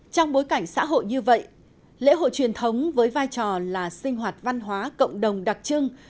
trong bối cảnh xã hội như vậy lễ hội truyền thống với vai trò là sinh hoạt văn hóa cộng đồng đặc trưng